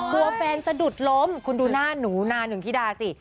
กลัวแฟนสะดุดล้มคุณดูหน้าหนูนาหนึ่งธิดาสิ